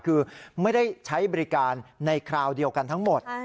คือไม่ได้ใช้บริการในคราวเดียวกันทั้งหมด